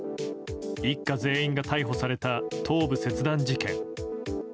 一家全員が逮捕された頭部切断事件。